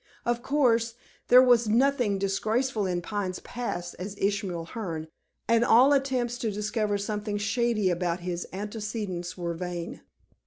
Of course, there was nothing disgraceful in Pine's past as Ishmael Hearne, and all attempts to discover something shady about his antecedents were vain.